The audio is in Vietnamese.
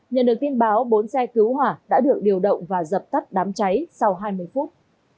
nhận được tin báo bốn xe cứu hỏa đã được điều động và dập tắt đám cháy sau hai mươi phút